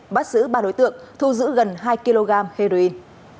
bắt giữ ba đối tượng thu giữ gần hai kg heroin